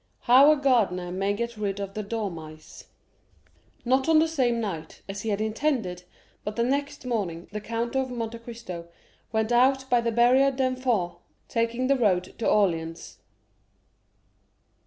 How a Gardener May Get Rid of the Dormice that Eat His Peaches Not on the same night as he had stated, but the next morning, the Count of Monte Cristo went out by the Barrière d'Enfer, taking the road to Orléans.